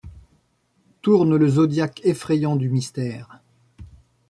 Tourne le zodiaque effrayant du mystère ;